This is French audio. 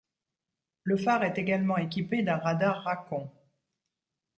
Le phare est également équipé d'un radar Racon.